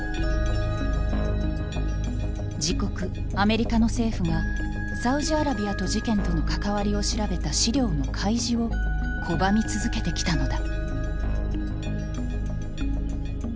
自国アメリカの政府がサウジアラビアと事件との関わりを調べた資料の開示を拒み続けてきたのだ。